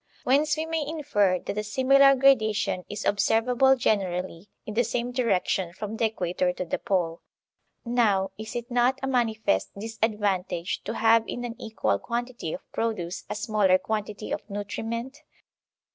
Whence we may infer that a similar gradation is observ able generally, in the same direction, from the Equator to the Pole. Now is it not a manifest disadvantage to have in an equal quantity of produce a smaller quantity of nutriment